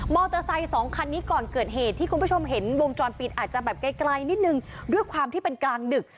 สองคันนี้ก่อนเกิดเหตุที่คุณผู้ชมเห็นวงจรปิดอาจจะแบบไกลนิดนึงด้วยความที่เป็นกลางดึก